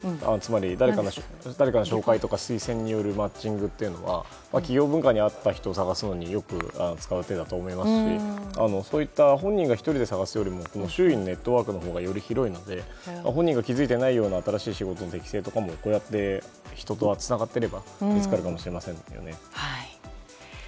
僕も会社を経営していますがこれ以外に例えば、リファラル採用誰かの紹介や推薦によるマッチングというのは企業文化に合った人を探すのによく使う手だと思いますしそういった本人が１人で探すより周囲のネットワークがより広いので本人が気づいていないような新しい仕事の適性も人とつながっていれば見つかるかもしれませんね。